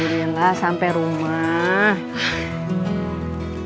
ya alhamdulillah sampai rumah